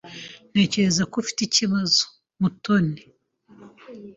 Ntekereza ko ufite ikibazo, Mutoni.